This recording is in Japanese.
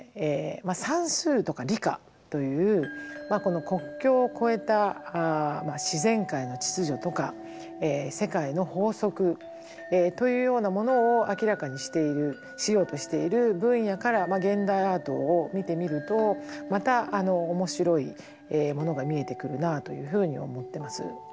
算数とか理科という国境を超えた自然界の秩序とか世界の法則というようなものを明らかにしているしようとしている分野から現代アートを見てみるとまた面白いものが見えてくるなというふうに思ってます。